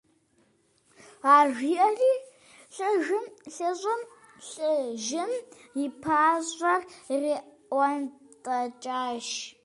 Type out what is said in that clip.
Ар жиӀэри, лӀыжьым и пащӀэр ириӀуэнтӀэкӀащ.